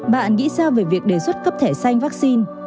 bạn nghĩ sao về việc đề xuất cấp thẻ xanh vaccine